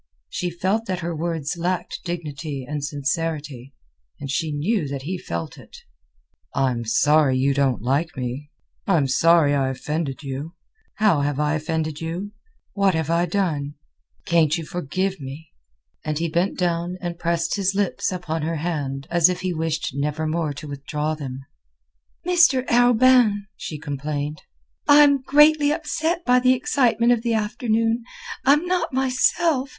She felt that her words lacked dignity and sincerity, and she knew that he felt it. "I'm sorry you don't like me. I'm sorry I offended you. How have I offended you? What have I done? Can't you forgive me?" And he bent and pressed his lips upon her hand as if he wished never more to withdraw them. "Mr. Arobin," she complained, "I'm greatly upset by the excitement of the afternoon; I'm not myself.